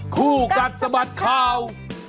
คู่กัดสะบัดข่าว